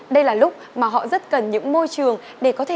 đây là lúc mà họ rất cần những môi trường để có thể